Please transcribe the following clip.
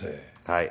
はい。